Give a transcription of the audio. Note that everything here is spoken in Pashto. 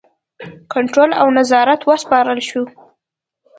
کنټرول او نظارت وسپارل شو.